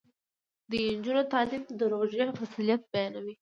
د نجونو تعلیم د روژې فضیلت بیانوي.